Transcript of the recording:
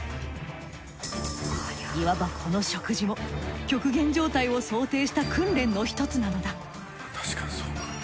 言わばこの食事も極限状態を想定した訓練のひとつなのだ。